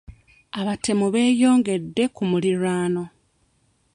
Abatemu beeyongedde ku muliraano.